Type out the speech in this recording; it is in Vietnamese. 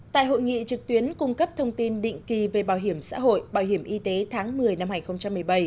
tại hội nghị trực tuyến cung cấp thông tin định kỳ về bảo hiểm xã hội bảo hiểm y tế tháng một mươi năm hai nghìn một mươi bảy